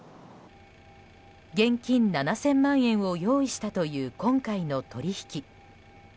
現金７０００万円を用意したという今回の取引。